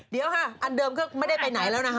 เดี๋ยวค่ะอันเดิมก็ไม่ได้ไปไหนแล้วนะคะ